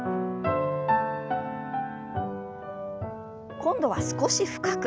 今度は少し深く。